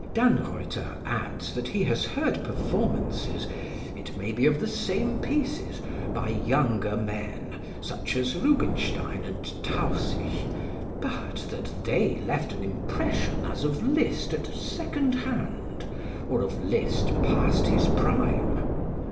Dannreuther adds that he has heard performances, it may be of the same pieces, by younger men, such as Rubinstein and Tausig, but that they left an impression as of Liszt at second hand or of Liszt past his prime.